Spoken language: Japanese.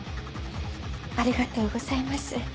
ありがとうございます。